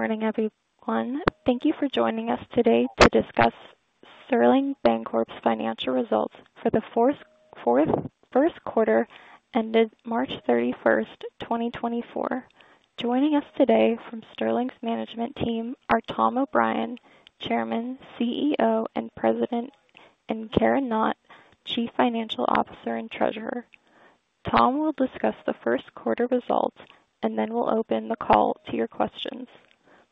Good morning, everyone. Thank you for joining us today to discuss Sterling Bancorp's financial results for the first quarter ended March 31, 2024. Joining us today from Sterling's management team are Tom O'Brien, Chairman, CEO, and President, and Karen Knott, Chief Financial Officer and Treasurer. Tom will discuss the first quarter results, and then we'll open the call to your questions.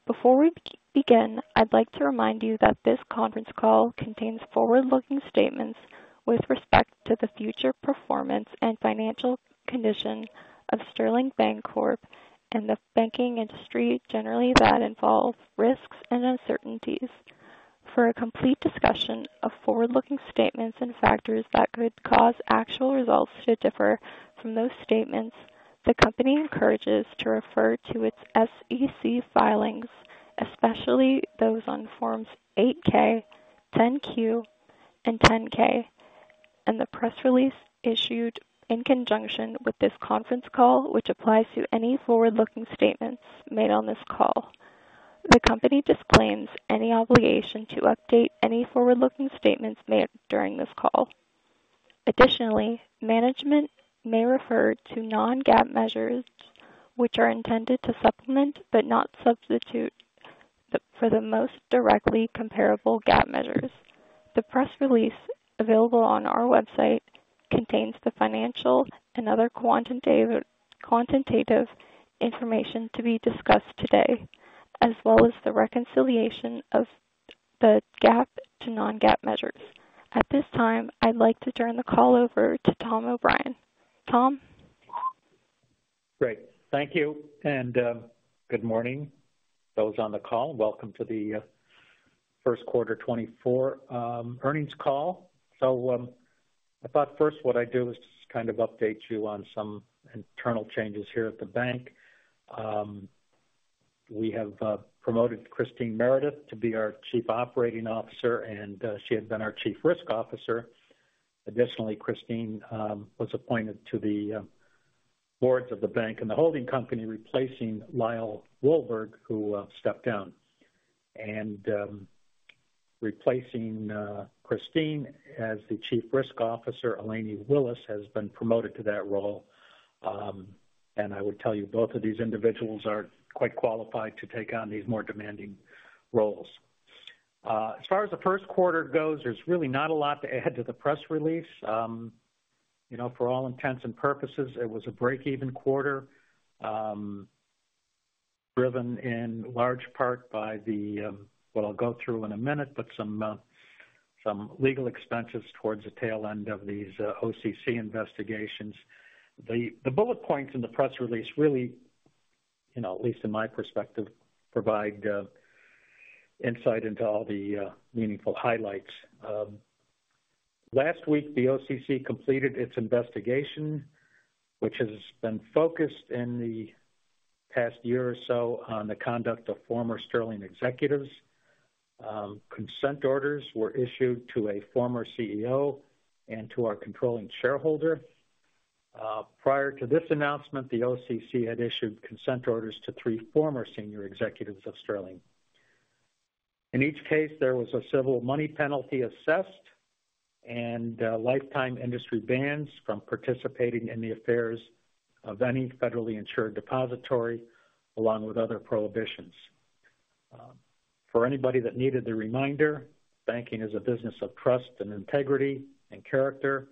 Before we begin, I'd like to remind you that this conference call contains forward-looking statements with respect to the future performance and financial condition of Sterling Bancorp and the banking industry generally, that involve risks and uncertainties. For a complete discussion of forward-looking statements and factors that could cause actual results to differ from those statements, the company encourages to refer to its SEC filings, especially those on Forms 8-K, 10-Q, and 10-K, and the press release issued in conjunction with this conference call, which applies to any forward-looking statements made on this call. The company disclaims any obligation to update any forward-looking statements made during this call. Additionally, management may refer to non-GAAP measures, which are intended to supplement but not substitute for the most directly comparable GAAP measures. The press release available on our website contains the financial and other quantitative information to be discussed today, as well as the reconciliation of the GAAP to non-GAAP measures. At this time, I'd like to turn the call over to Tom O'Brien. Tom? Great. Thank you, and, good morning, those on the call. Welcome to the first quarter 2024 earnings call. So, I thought first what I'd do is just kind of update you on some internal changes here at the bank. We have promoted Christine Meredith to be our Chief Operating Officer, and she had been our Chief Risk Officer. Additionally, Christine was appointed to the boards of the bank and the holding company, replacing Lyle Wolberg, who stepped down. And replacing Christine as the Chief Risk Officer, Eleni Willis, has been promoted to that role. And I would tell you, both of these individuals are quite qualified to take on these more demanding roles. As far as the first quarter goes, there's really not a lot to add to the press release. You know, for all intents and purposes, it was a break-even quarter, driven in large part by the, what I'll go through in a minute, but some legal expenses towards the tail end of these, OCC investigations. The bullet points in the press release really, you know, at least in my perspective, provide insight into all the, meaningful highlights. Last week, the OCC completed its investigation, which has been focused in the past year or so on the conduct of former Sterling executives. Consent orders were issued to a former CEO and to our controlling shareholder. Prior to this announcement, the OCC had issued consent orders to three former senior executives of Sterling. In each case, there was a civil money penalty assessed and, lifetime industry bans from participating in the affairs of any federally insured depository, along with other prohibitions. For anybody that needed the reminder, banking is a business of trust and integrity and character,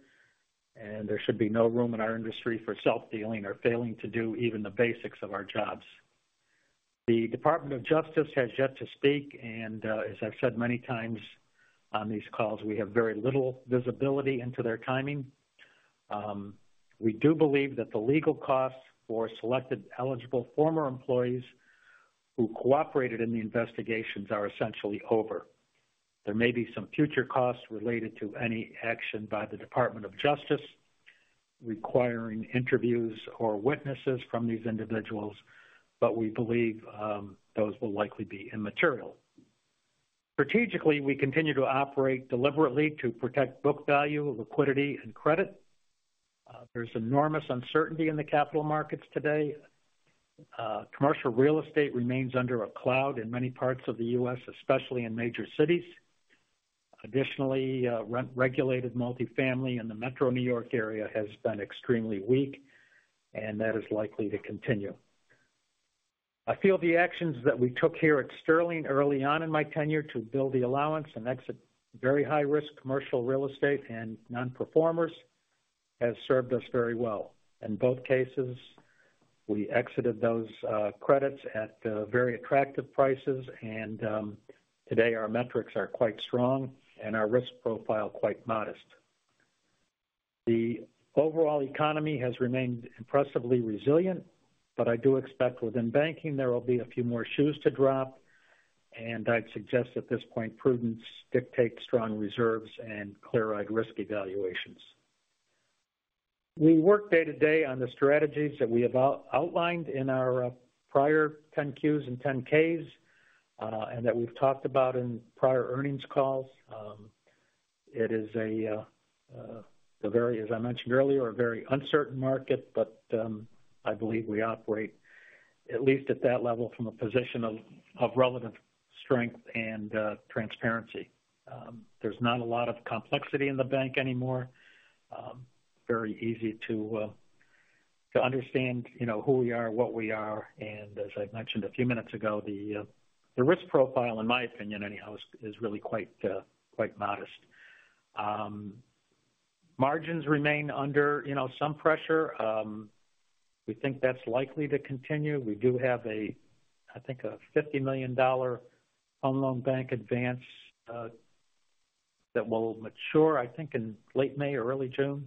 and there should be no room in our industry for self-dealing or failing to do even the basics of our jobs. The Department of Justice has yet to speak, and, as I've said many times on these calls, we have very little visibility into their timing. We do believe that the legal costs for selected eligible former employees who cooperated in the investigations are essentially over. There may be some future costs related to any action by the Department of Justice requiring interviews or witnesses from these individuals, but we believe, those will likely be immaterial. Strategically, we continue to operate deliberately to protect book value, liquidity, and credit. There's enormous uncertainty in the capital markets today. Commercial real estate remains under a cloud in many parts of the U.S., especially in major cities. Additionally, rent-regulated multifamily in the Metro New York area has been extremely weak, and that is likely to continue. I feel the actions that we took here at Sterling early on in my tenure to build the allowance and exit very high-risk commercial real estate and non-performers has served us very well. In both cases, we exited those credits at very attractive prices, and today our metrics are quite strong and our risk profile quite modest. The overall economy has remained impressively resilient, but I do expect within banking there will be a few more shoes to drop, and I'd suggest at this point, prudence dictates strong reserves and clear-eyed risk evaluations. We work day-to-day on the strategies that we have outlined in our prior 10-Qs and 10-Ks, and that we've talked about in prior earnings calls. It is a very, as I mentioned earlier, a very uncertain market, but, I believe we operate at least at that level, from a position of, of relative strength and, transparency. There's not a lot of complexity in the bank anymore. Very easy to understand, you know, who we are, what we are, and as I mentioned a few minutes ago, the risk profile, in my opinion, anyhow, is really quite modest. Margins remain under, you know, some pressure. We think that's likely to continue. We do have, I think, a $50 million Federal Home Loan Bank advance that will mature, I think, in late May or early June?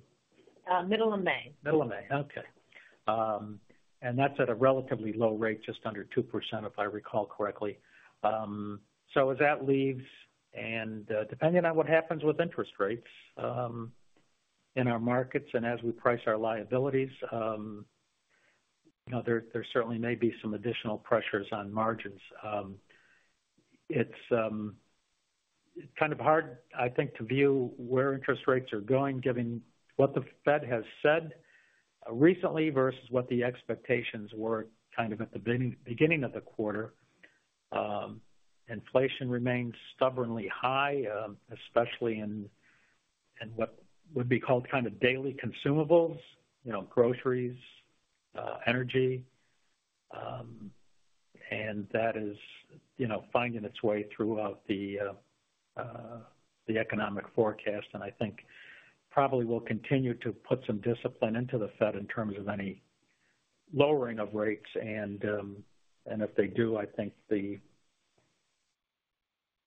Middle of May. Middle of May. Okay. And that's at a relatively low rate, just under 2%, if I recall correctly. So as that leaves and, depending on what happens with interest rates, in our markets and as we price our liabilities, you know, there certainly may be some additional pressures on margins. It's kind of hard, I think, to view where interest rates are going, given what the Fed has said recently versus what the expectations were kind of at the beginning of the quarter. Inflation remains stubbornly high, especially in what would be called kind of daily consumables, you know, groceries, energy. And that is, you know, finding its way throughout the economic forecast, and I think probably will continue to put some discipline into the Fed in terms of any lowering of rates. And if they do, I think the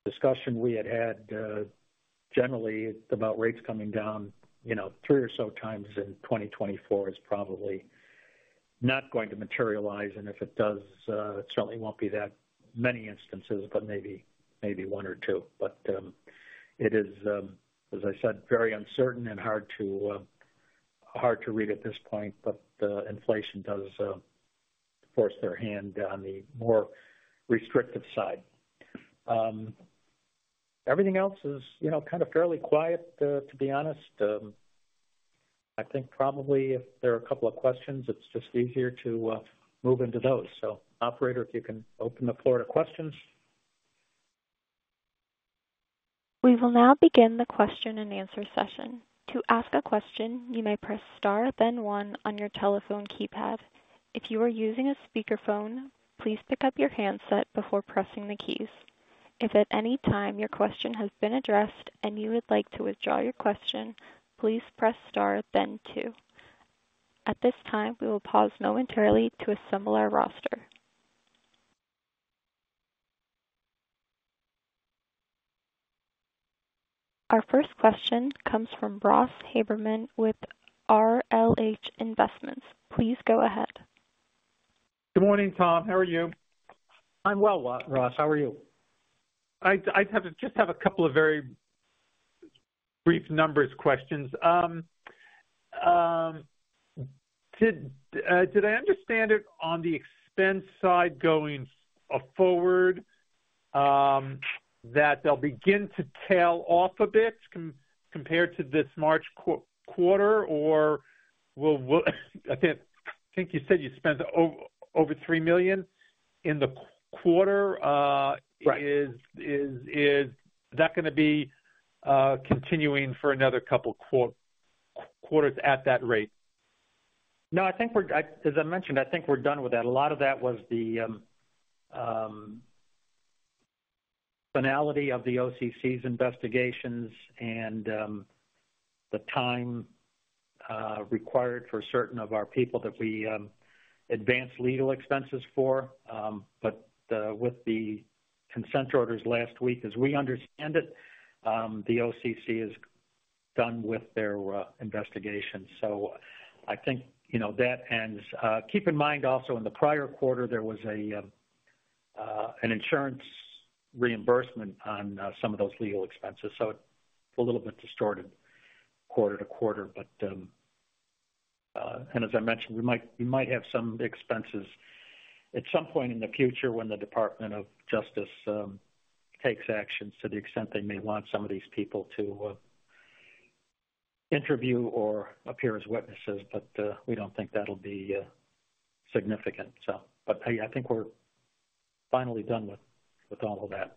discussion we had had generally about rates coming down, you know, three or so times in 2024 is probably not going to materialize. And if it does, it certainly won't be that many instances, but maybe, maybe one or two. But it is, as I said, very uncertain and hard to, hard to read at this point, but the inflation does force their hand on the more restrictive side. Everything else is, you know, kind of fairly quiet, to be honest. I think probably if there are a couple of questions, it's just easier to move into those. So operator, if you can open the floor to questions. We will now begin the question-and-answer session. To ask a question, you may press Star, then one on your telephone keypad. If you are using a speakerphone, please pick up your handset before pressing the keys. If at any time your question has been addressed and you would like to withdraw your question, please press Star, then two. At this time, we will pause momentarily to assemble our roster. Our first question comes from Ross Haberman with RLH Investments. Please go ahead. Good morning, Tom. How are you? I'm well, Ross. How are you? I'd have to just have a couple of very brief numbers questions. Did I understand it on the expense side going forward that they'll begin to tail off a bit compared to this March quarter, or will, I think you said you spent over $3 million in the quarter. Right. Is that gonna be continuing for another couple of quarters at that rate? No, I think we're... I, as I mentioned, I think we're done with that. A lot of that was the finality of the OCC's investigations and the time required for certain of our people that we advanced legal expenses for. But with the consent orders last week, as we understand it, the OCC is done with their investigation, so I think, you know, that ends. Keep in mind also, in the prior quarter, there was an insurance reimbursement on some of those legal expenses, so it's a little bit distorted quarter to quarter. As I mentioned, we might have some expenses at some point in the future when the Department of Justice takes action to the extent they may want some of these people to interview or appear as witnesses, but we don't think that'll be significant. So, yeah, I think we're finally done with all of that.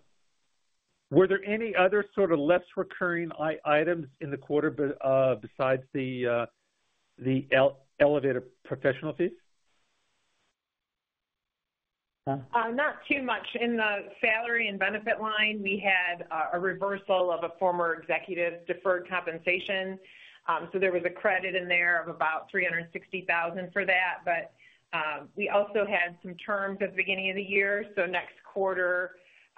Were there any other sort of less recurring items in the quarter, besides the elevated professional fees? Huh? Not too much. In the salary and benefit line, we had a reversal of a former executive's deferred compensation. So there was a credit in there of about $360,000 for that. But we also had some terms at the beginning of the year, so next quarter,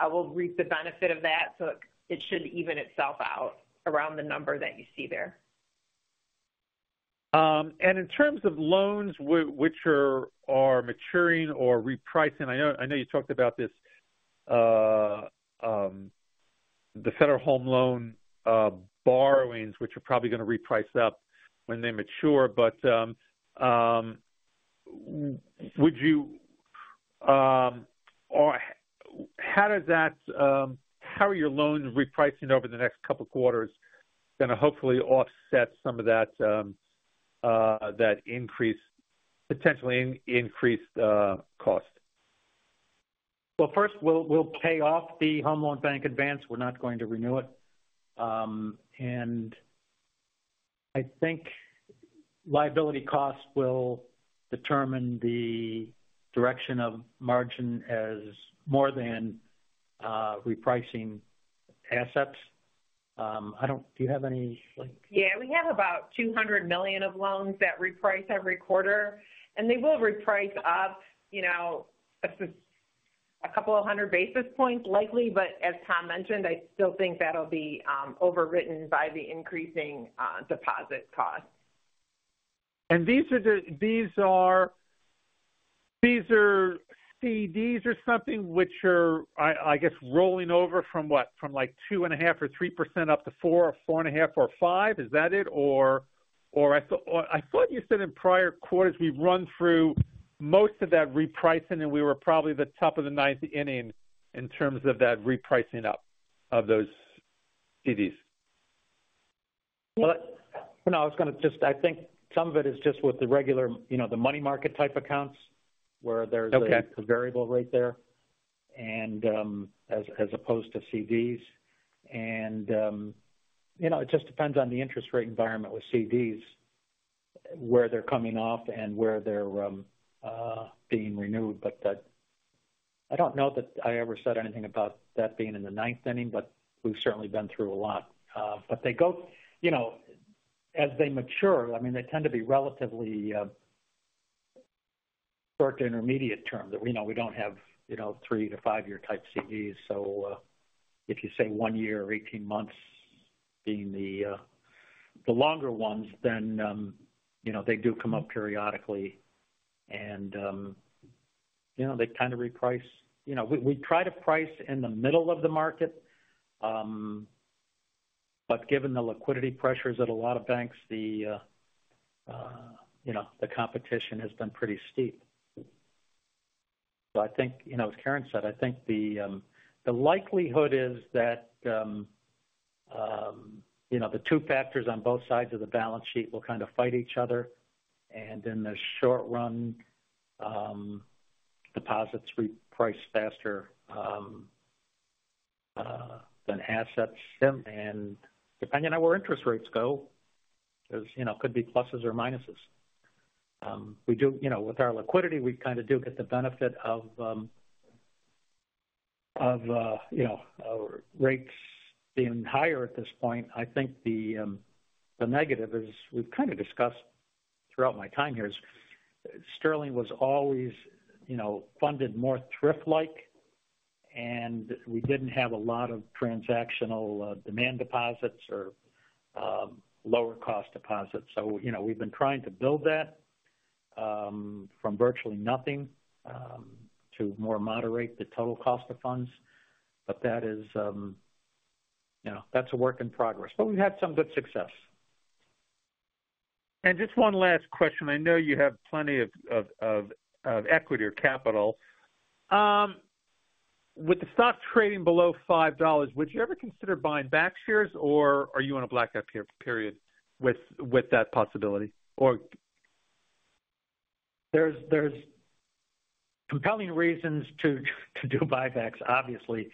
we'll reap the benefit of that. So it should even itself out around the number that you see there. In terms of loans which are maturing or repricing, I know, I know you talked about this, the Federal Home Loan borrowings, which are probably going to reprice up when they mature, but how does that, how are your loans repricing over the next couple quarters going to hopefully offset some of that increase, potentially increased cost? Well, first, we'll pay off the Federal Home Loan Bank advance. We're not going to renew it. And I think liability costs will determine the direction of margin as more than repricing assets. I don't. Do you have any like? Yeah, we have about $200 million of loans that reprice every quarter, and they will reprice up, you know, a couple of hundred basis points likely. But as Tom mentioned, I still think that'll be overwritten by the increasing deposit costs. These are the, these are, these are CDs or something, which are, I, I guess, rolling over from what? From, like, 2.5 or 3% up to 4 or 4.5 or 5. Is that it? Or, or I thought, I thought you said in prior quarters, we've run through most of that repricing, and we were probably the top of the ninth inning in terms of that repricing up of those CDs. Well, you know, I was going to just... I think some of it is just with the regular, you know, the money market type accounts, where there's- Okay. a variable rate there and, as opposed to CDs. And, you know, it just depends on the interest rate environment with CDs, where they're coming off and where they're being renewed. But that. I don't know that I ever said anything about that being in the ninth inning, but we've certainly been through a lot. But they go, you know, as they mature, I mean, they tend to be relatively short to intermediate term, that we know we don't have, you know, three to five year type CDs. So, if you say one year or 18 months being the longer ones, then, you know, they do come up periodically and, you know, they kind of reprice. You know, we try to price in the middle of the market, but given the liquidity pressures at a lot of banks, the, you know, the competition has been pretty steep. So I think, you know, as Karen said, I think the likelihood is that, you know, the two factors on both sides of the balance sheet will kind of fight each other, and in the short run, deposits reprice faster than assets. And depending on where interest rates go, there's, you know, could be pluses or minuses. We do, you know, with our liquidity, we kind of do get the benefit of, you know, our rates being higher at this point. I think the negative is, we've kind of discussed throughout my time here, is Sterling was always, you know, funded more thrift-like, and we didn't have a lot of transactional, demand deposits or, lower-cost deposits. So, you know, we've been trying to build that, from virtually nothing, to more moderate the total cost of funds. But that is, you know, that's a work in progress, but we've had some good success. Just one last question. I know you have plenty of equity or capital. With the stock trading below $5, would you ever consider buying back shares, or are you in a blackout period with that possibility? There's compelling reasons to do buybacks, obviously.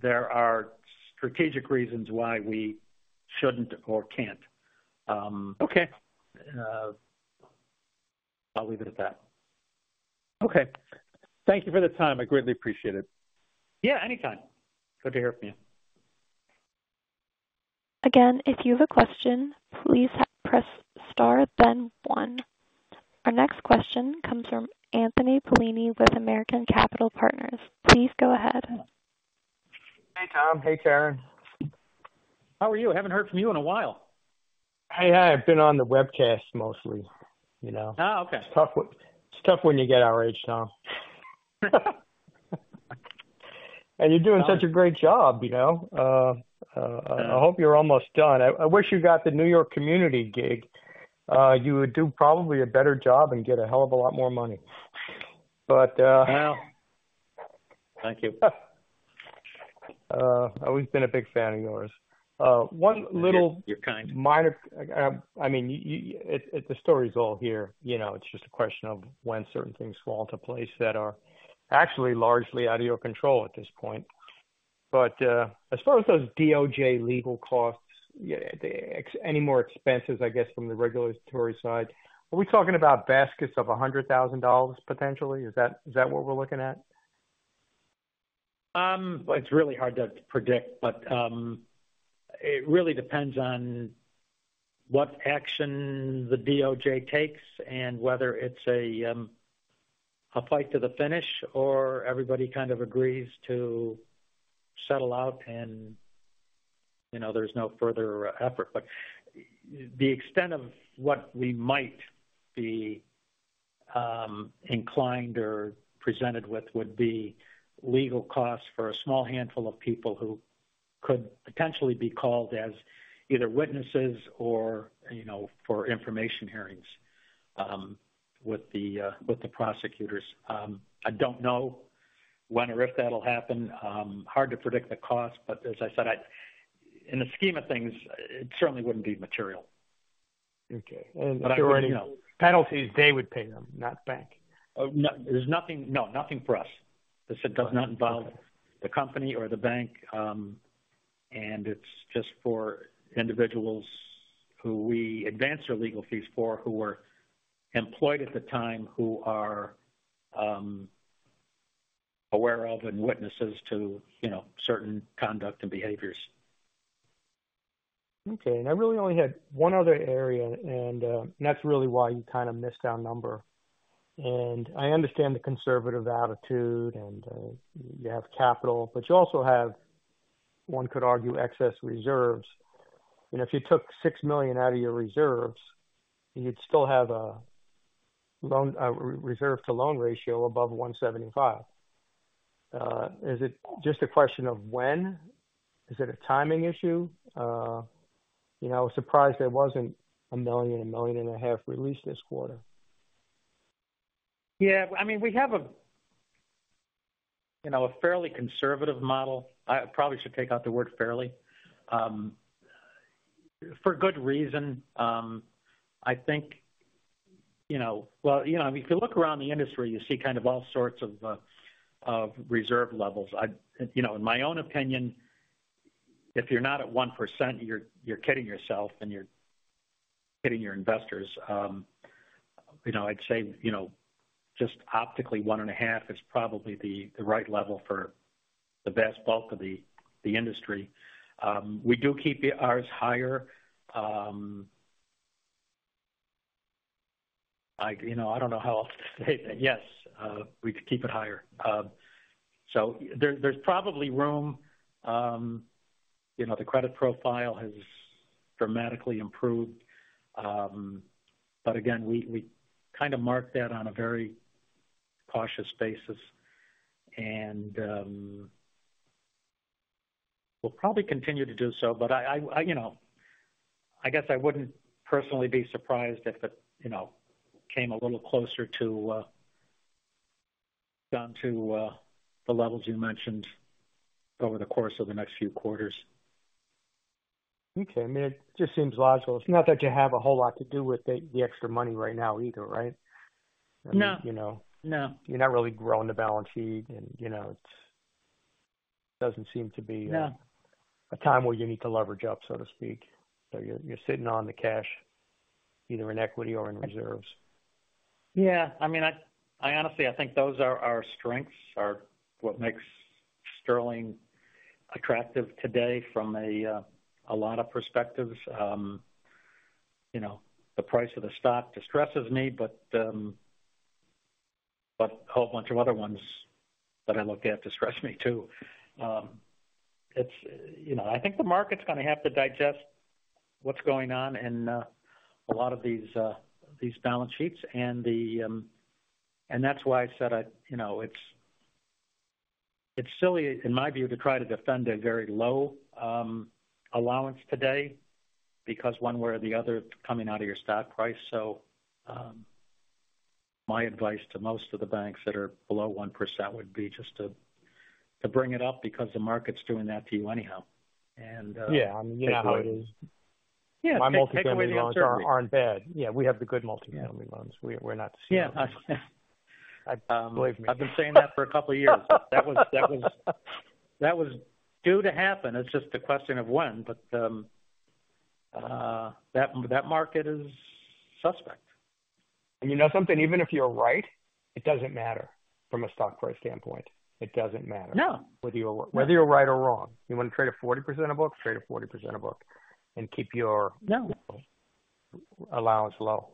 There are strategic reasons why we shouldn't or can't. Okay. I'll leave it at that. Okay. Thank you for the time. I greatly appreciate it. Yeah, anytime. Good to hear from you. Again, if you have a question, please press star, then one. Our next question comes from Anthony Polini with American Capital Partners. Please go ahead. Hey, Tom. Hey, Karen. How are you? I haven't heard from you in a while. I've been on the webcast mostly, you know? Oh, okay. It's tough when, it's tough when you get our age, Tom. And you're doing such a great job, you know? I hope you're almost done. I wish you got the New York Community gig. You would do probably a better job and get a hell of a lot more money. But, Well, thank you. I've always been a big fan of yours. One little- You're kind. Minor, I mean, you, you – the story is all here. You know, it's just a question of when certain things fall into place that are actually largely out of your control at this point. But, as far as those DOJ legal costs, yeah, any more expenses, I guess, from the regulatory side, are we talking about baskets of $100,000, potentially? Is that, is that what we're looking at? Well, it's really hard to predict, but, it really depends on what action the DOJ takes and whether it's a, a fight to the finish or everybody kind of agrees to settle out and, you know, there's no further effort. But the extent of what we might be, inclined or presented with, would be legal costs for a small handful of people who could potentially be called as either witnesses or, you know, for information hearings, with the, with the prosecutors. I don't know when or if that'll happen. Hard to predict the cost, but as I said, in the scheme of things, it certainly wouldn't be material. Okay. And penalties, they would pay them, not the bank. Oh, no. There's nothing. No, nothing for us. This does not involve the company or the bank, and it's just for individuals who we advance their legal fees for, who were employed at the time, who are, aware of and witnesses to, you know, certain conduct and behaviors. Okay. And I really only had one other area, and that's really why you kind of missed our number. And I understand the conservative attitude, and you have capital, but you also have, one could argue, excess reserves. And if you took $6 million out of your reserves, you'd still have a loan reserve to loan ratio above 175. Is it just a question of when? Is it a timing issue? You know, I was surprised there wasn't $1 million, $1.5 million, at least this quarter. Yeah, I mean, we have a, you know, a fairly conservative model. I probably should take out the word fairly, for good reason. I think, you know... Well, you know, if you look around the industry, you see kind of all sorts of, of reserve levels. I, you know, in my own opinion, if you're not at 1%, you're kidding yourself and you're kidding your investors. You know, I'd say, you know, just optically, 1.5% is probably the right level for the vast bulk of the industry. We do keep ours higher. I, you know, I don't know how else to say that. Yes, we could keep it higher. So there, there's probably room, you know, the credit profile has dramatically improved. But again, we kind of mark that on a very cautious basis, and we'll probably continue to do so. But I you know, I guess I wouldn't personally be surprised if it you know, came a little closer to down to the levels you mentioned over the course of the next few quarters. Okay. I mean, it just seems logical. It's not that you have a whole lot to do with the extra money right now either, right? No. You know? No. You're not really growing the balance sheet, and, you know, it doesn't seem to be- No... a time where you need to leverage up, so to speak. So you're, you're sitting on the cash, either in equity or in reserves. Yeah, I mean, I honestly think those are our strengths, are what makes Sterling attractive today from a lot of perspectives. You know, the price of the stock distresses me, but a whole bunch of other ones that I look at distress me, too. It's, you know, I think the market's gonna have to digest what's going on in a lot of these balance sheets and the... And that's why I said, I you know, it's silly, in my view, to try to defend a very low allowance today, because one way or the other, it's coming out of your stock price. So, my advice to most of the banks that are below 1% would be just to bring it up, because the market's doing that to you anyhow. And Yeah, I mean, you know how it is. Yeah. My multifamily loans aren't bad. Yeah, we have the good multifamily loans. We're not seeing them. Yeah. Believe me. I've been saying that for a couple of years. That was due to happen. It's just a question of when, but that market is suspect. You know something? Even if you're right, it doesn't matter from a stock price standpoint. It doesn't matter. No. Whether you're right or wrong. You want to trade a 40% a book and keep your- No - allowance low.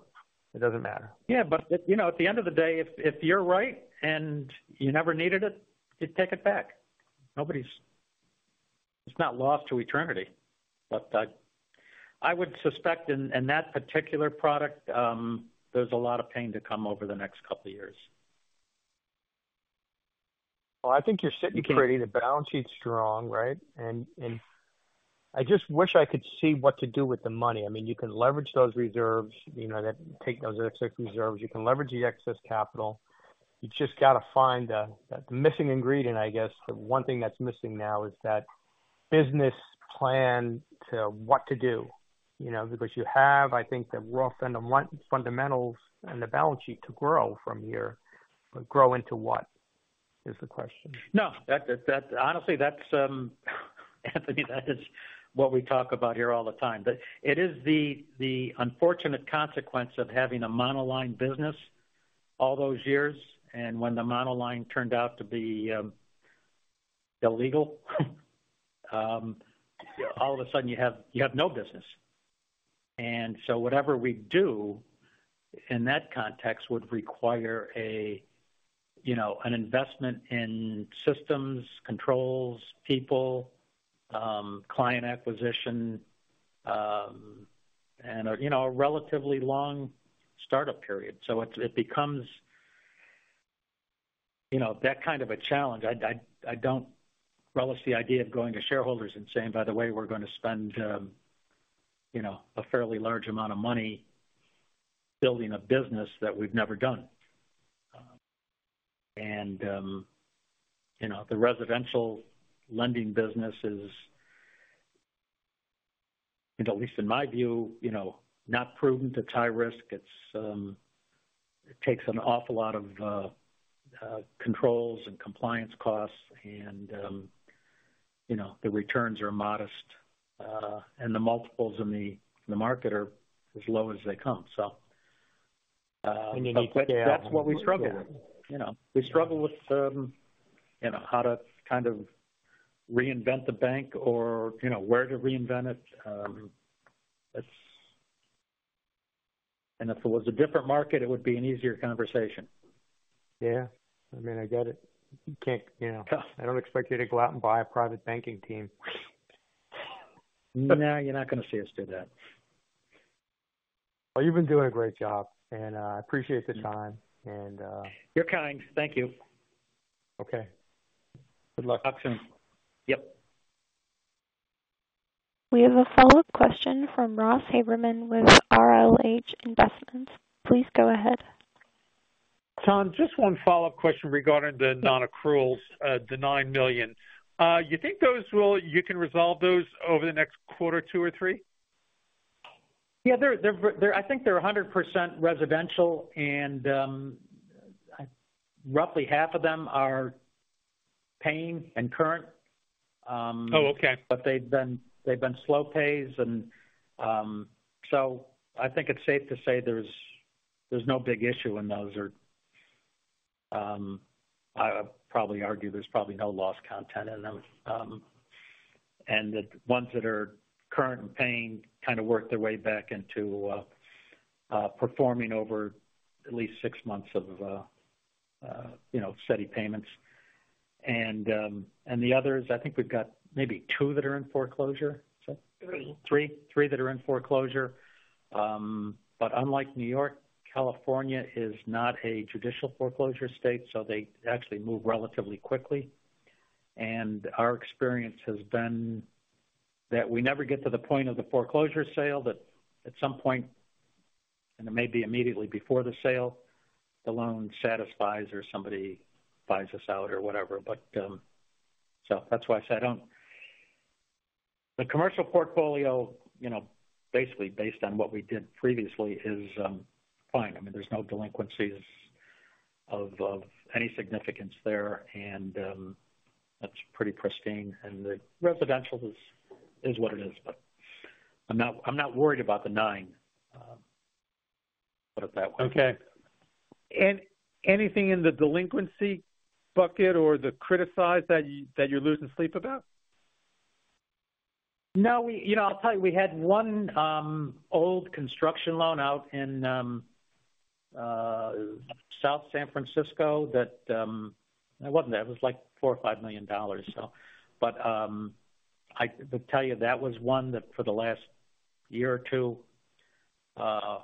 It doesn't matter. Yeah, but, you know, at the end of the day, if you're right and you never needed it, you take it back. Nobody's... It's not lost to eternity. But I would suspect in that particular product, there's a lot of pain to come over the next couple of years. Well, I think you're sitting pretty, the balance sheet's strong, right? And I just wish I could see what to do with the money. I mean, you can leverage those reserves, you know, take those reserves, you can leverage the excess capital. You just got to find the missing ingredient, I guess, the one thing that's missing now is that business plan to what to do, you know, because you have, I think, the rough fundamentals and the balance sheet to grow from here. But grow into what, is the question? No, honestly, that's, Anthony, that is what we talk about here all the time. But it is the unfortunate consequence of having a monoline business all those years, and when the monoline turned out to be illegal, all of a sudden, you have no business. And so whatever we do in that context would require a, you know, an investment in systems, controls, people, client acquisition, and a, you know, a relatively long startup period. So it becomes... You know, that kind of a challenge. I don't relish the idea of going to shareholders and saying, "By the way, we're going to spend, you know, a fairly large amount of money building a business that we've never done." And you know, the residential lending business is, at least in my view, you know, not proven to tie risk. It takes an awful lot of controls and compliance costs, and you know, the returns are modest, and the multiples in the market are as low as they come. So, And you need to- That's what we struggle with. You know, we struggle with, you know, how to kind of reinvent the bank or, you know, where to reinvent it. It's, and if it was a different market, it would be an easier conversation. Yeah. I mean, I get it. You can't, you know, I don't expect you to go out and buy a private banking team. No, you're not gonna see us do that. Well, you've been doing a great job, and I appreciate the time, and- You're kind. Thank you. Okay. Good luck. Yep. We have a follow-up question from Ross Haberman with RLH Investments. Please go ahead. Tom, just one follow-up question regarding the nonaccruals, $9 million. You think those will— you can resolve those over the next quarter, two or three? Yeah, they're, I think they're 100% residential, and roughly half of them are paying and current. Oh, okay. But they've been, they've been slow pays, and so I think it's safe to say there's, there's no big issue in those, or, I probably argue there's probably no loss content in them. And the ones that are current and paying kind of work their way back into performing over at least six months of you know, steady payments. And the others, I think we've got maybe two that are in foreclosure. Three. Three? Three that are in foreclosure. But unlike New York, California is not a judicial foreclosure state, so they actually move relatively quickly. Our experience has been that we never get to the point of the foreclosure sale, that at some point, and it may be immediately before the sale, the loan satisfies or somebody buys us out or whatever. So that's why I said I don't... The commercial portfolio, you know, basically based on what we did previously, is, fine. I mean, there's no delinquencies of, of any significance there, and, that's pretty pristine, and the residential is, is what it is. But I'm not, I'm not worried about the nine, put it that way. Okay. Anything in the delinquency bucket or the criticized that you, that you're losing sleep about? No, we... You know, I'll tell you, we had one, old construction loan out in, South San Francisco that, it wasn't that. It was like $4 million-$5 million. So, but, I will tell you, that was one that for the last year or two,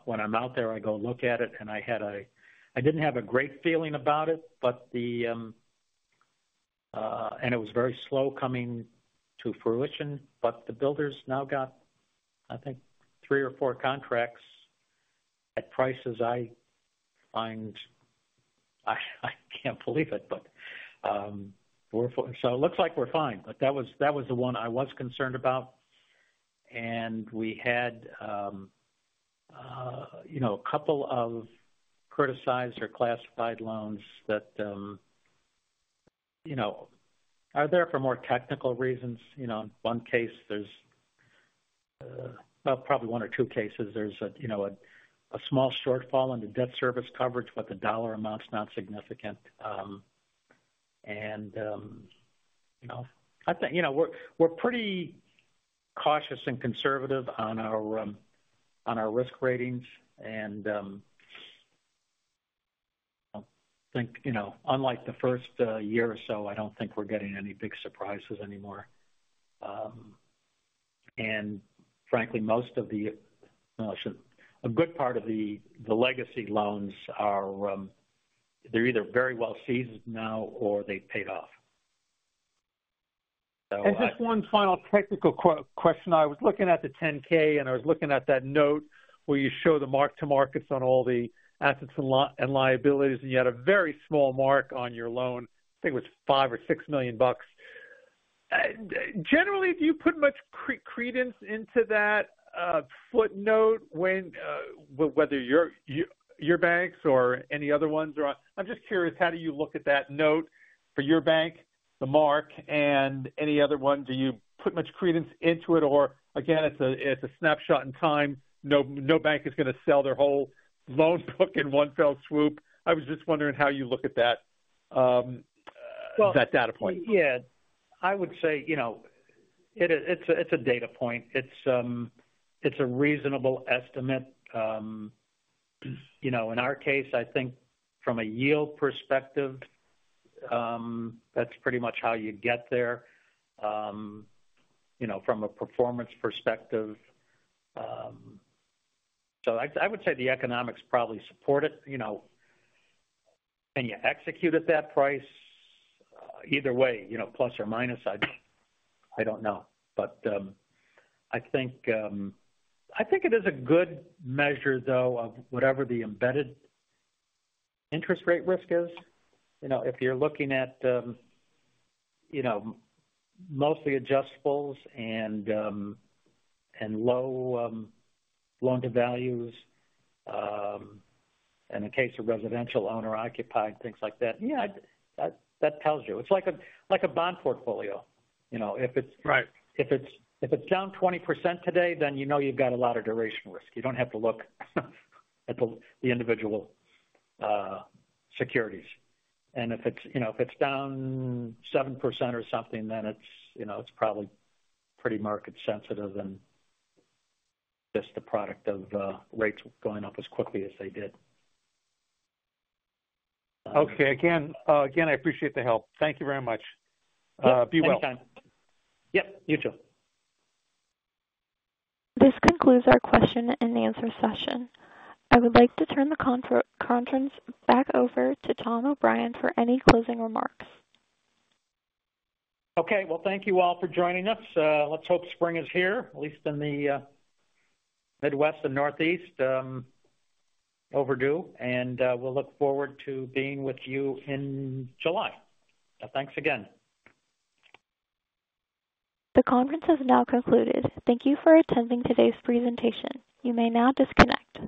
when I'm out there, I go look at it, and I had a-- I didn't have a great feeling about it, but the, and it was very slow coming to fruition, but the builders now got, I think, 3 or 4 contracts at prices I find... I, I can't believe it, but, four, four. So it looks like we're fine. But that was, that was the one I was concerned about, and we had, you know, a couple of criticized or classified loans that, you know, are there for more technical reasons. You know, in one case, there's, well, probably one or two cases. There's a, you know, small shortfall in the debt service coverage, but the dollar amount is not significant. And, you know, I think, you know, we're pretty cautious and conservative on our, on our risk ratings, and, I think, you know, unlike the first, year or so, I don't think we're getting any big surprises anymore. And frankly, most of the, a good part of the legacy loans are, they're either very well seasoned now or they've paid off. So- Just one final technical question. I was looking at the 10-K, and I was looking at that note where you show the mark to markets on all the assets and liabilities, and you had a very small mark on your loan. I think it was $5 million or $6 million. Generally, do you put much credence into that footnote when whether your banks or any other ones are on? I'm just curious, how do you look at that note for your bank, the mark, and any other one? Do you put much credence into it, or again, it's a snapshot in time. No bank is gonna sell their whole loan book in one fell swoop. I was just wondering how you look at that data point. Yeah. I would say, you know, it's a data point. It's a reasonable estimate. You know, in our case, I think from a yield perspective, that's pretty much how you get there, you know, from a performance perspective. So I would say the economics probably support it, you know, can you execute at that price? Either way, you know, plus or minus, I don't know. But I think it is a good measure, though, of whatever the embedded interest rate risk is. You know, if you're looking at, you know, mostly adjustables and low loan to values, and in case of residential, owner-occupied, things like that, yeah, that tells you. It's like a bond portfolio. You know, if it's- Right. If it's down 20% today, then you know you've got a lot of duration risk. You don't have to look at the individual securities. And if it's, you know, down 7% or something, then it's, you know, it's probably pretty market sensitive and just the product of rates going up as quickly as they did. Okay. Again, again, I appreciate the help. Thank you very much. Be well. Yep, anytime. Yep, you too. This concludes our question and answer session. I would like to turn the conference back over to Tom O'Brien for any closing remarks. Okay. Well, thank you all for joining us. Let's hope spring is here, at least in the Midwest and Northeast, overdue, and we'll look forward to being with you in July. Thanks again. The conference has now concluded. Thank you for attending today's presentation. You may now disconnect.